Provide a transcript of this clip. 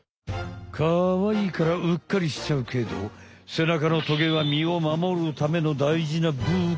カワイイからうっかりしちゃうけどせなかのトゲはみを守るためのだいじな武器。